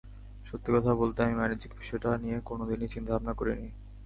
সত্যি কথা বলতে আমি বাণিজ্যিক বিষয়টা নিয়ে কোনো দিনই চিন্তাভাবনা করিনি।